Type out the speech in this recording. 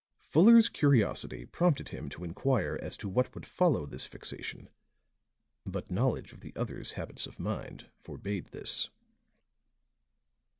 Fuller's curiosity prompted him to inquire as to what would follow this fixation; but knowledge of the other's habits of mind forbade this.